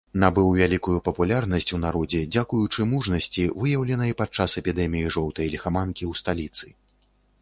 Набыў вялікую папулярнасць у народзе дзякуючы мужнасці, выяўленай падчас эпідэміі жоўтай ліхаманкі ў сталіцы.